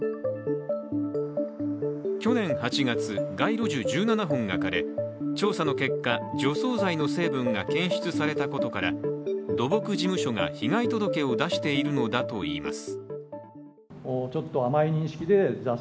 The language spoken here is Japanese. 去年８月、街路樹１７本が枯れ調査の結果、除草剤の成分が検出されたことから土木事務所が被害届を出しているのだといいます。